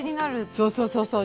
そうそうそう。